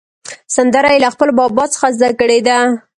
سندره یې له خپل بابا څخه زده کړې ده.